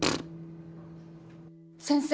先生。